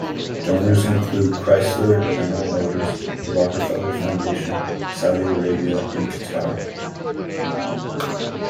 Donors included Chrysler, General Motors, the Rockefeller Foundation, Saudi Arabia and Qatar.